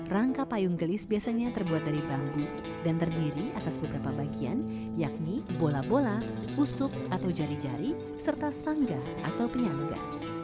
rangka payung gelis biasanya terbuat dari bambu dan terdiri atas beberapa bagian yakni bola bola usup atau jari jari serta sangga atau penyangga